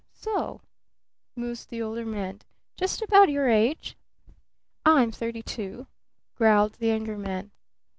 "S o?" mused the Older Man. "Just about your age?" "I'm thirty two," growled the Younger Man.